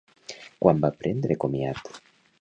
Quan va prendre comiat?